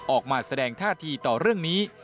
ออกมาแสดงท่าทีต่อเรื่องนี้